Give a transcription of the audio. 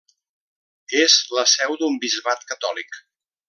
És la seu d'un bisbat catòlic.